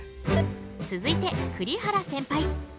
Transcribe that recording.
続いて栗原センパイ。